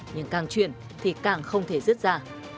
nhưng càng chuyển thì càng không thể rút ra